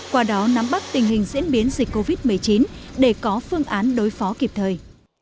qua đó nắm bắt tình hình diễn biến dịch covid một mươi chín để có phương án đối phó kịp thời